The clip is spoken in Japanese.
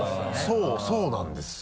そうそうなんですよ。